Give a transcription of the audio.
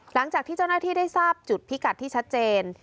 หลังจากที่เจ้าหน้าที่ได้ทราบจุดพิกัดที่ชัดเจน